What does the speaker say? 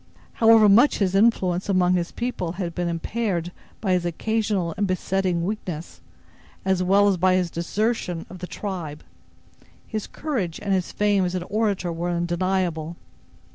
However much his influence among his people had been impaired by his occasional and besetting weakness, as well as by his desertion of the tribe, his courage and his fame as an orator were undeniable.